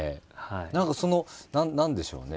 何か何でしょうね